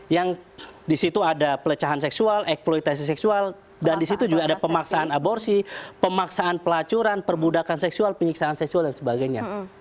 yang di situ ada pelecahan seksual eksploitasi seksual dan di situ juga ada pemaksaan aborsi pemaksaan pelacuran perbudakan seksual penyiksaan seksual dan sebagainya